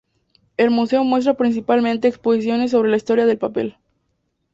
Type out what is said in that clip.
El museo muestra principalmente exposiciones sobre la historia del papel.